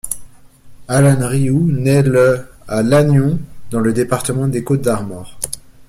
Alan Riou nait le à Lannion, dans le département des Côtes-d'Armor.